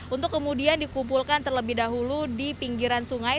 untuk kemudian dikumpulkan terlebih dahulu di pinggiran sungai